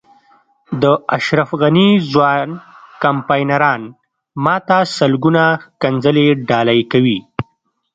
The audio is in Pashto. د اشرف غني ځوان کمپاینران ما ته سلګونه ښکنځلې ډالۍ کوي.